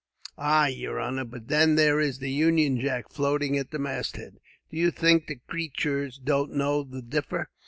"Ah, yer honor, but then there is the Union Jack floating at the masthead. Do you think the creeturs don't know the differ?"